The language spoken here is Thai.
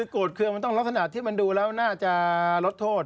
โกรธเครื่องมันต้องลักษณะที่มันดูแล้วน่าจะลดโทษ